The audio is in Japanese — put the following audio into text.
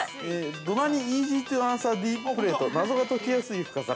◆土ナニイージー・ツウ・アンサー・デーププレート謎が解きやすい深皿。